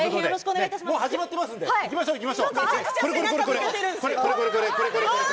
もう始まってますんで、行きましょう、行きましょう。